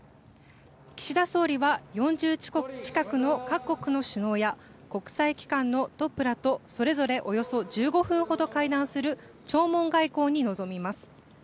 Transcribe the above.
岸田総理は４０近くの各国の首脳や国際機関のトップらとそれぞれおよそ１５分ほど会談する弔問外交に臨みます。